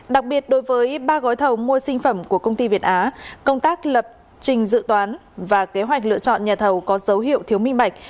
đặc biệt đối với ba gói thầu mua sinh phẩm của công ty việt á công tác lập trình dự toán và kế hoạch lựa chọn nhà thầu có dấu hiệu thiếu minh bạch